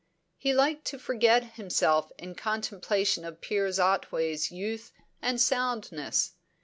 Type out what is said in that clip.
He liked to forget himself in contemplation of Piers Otway's youth and soundness.